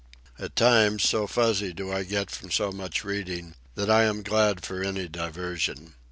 At times, so fuzzy do I get from so much reading, that I am glad for any diversion.